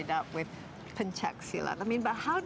jika anda melatih dengan keras